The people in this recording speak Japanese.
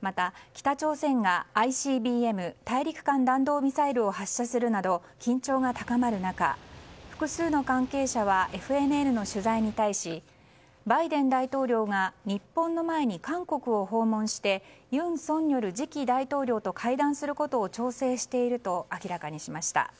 また、北朝鮮がＩＣＢＭ・大陸間弾道ミサイルを発射するなど緊張が高まる中複数の関係者はＦＮＮの取材に対しバイデン大統領が日本の前に韓国を訪問して尹錫悦次期大統領と会談することを調整していると明らかにしました。